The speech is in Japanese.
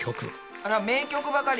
あら名曲ばかり。